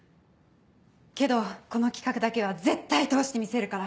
けどこの企画だけは絶対通してみせるから。